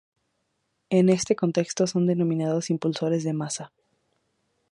En este contexto son denominados impulsores de masa.